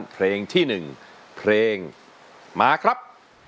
เพลงที่หนึ่งเพลงมาครับ